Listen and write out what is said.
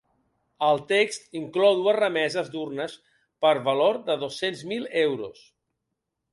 El text inclou dues remeses d’urnes per valor de dos-cents mil euros.